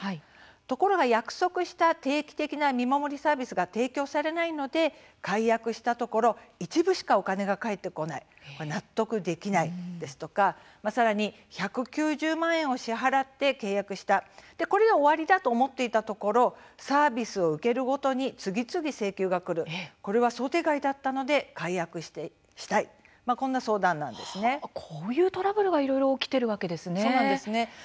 ところが約束した定期的な見守りサービスが提供されないので解約したところ一部しかお金が返ってこない納得できないですとか、さらに１９０万円を支払って契約したこれで終わりだと思っていたところサービスを受けるごとに次々請求がくるこれは想定外だったので解約したいこういうトラブルがそうなんですね。